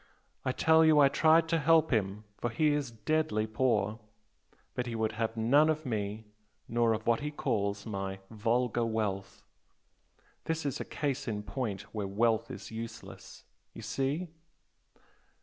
I tell you I tried to help him for he is deadly poor. But he would have none of me nor of what he calls my 'vulgar wealth.' This is a case in point where wealth is useless! You see?"